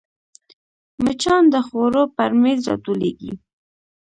مچان د خوړو پر میز راټولېږي